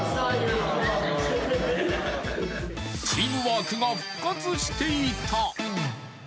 チームワークが復活していた。